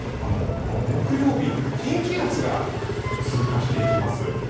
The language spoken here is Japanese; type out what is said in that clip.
木曜日低気圧が通過していきます。